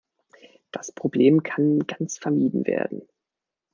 Das Problem kann ganz vermieden werden.